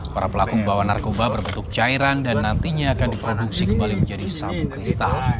para pelaku membawa narkoba berbentuk cairan dan nantinya akan diproduksi kembali menjadi sabu kristal